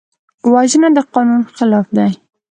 وژنه د قانون خلاف ده